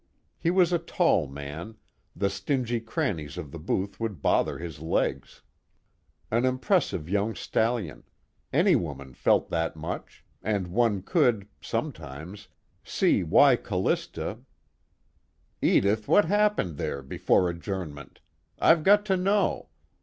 He was a tall man; the stingy crannies of the booth would bother his legs. An impressive young stallion: any woman felt that much, and one could (sometimes) see why Callista "Edith, what happened there, before adjournment? I've got to know.